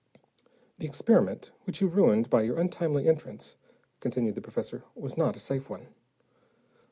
"The experiment which you ruined by your untimely entrance," continued the professor, "was not a safe one."